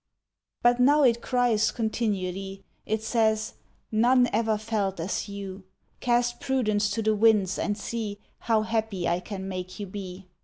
But now it cries continually. It says : "None ever felt as you ! Vigils Cast prudence to the winds, and see How happy I can make you be."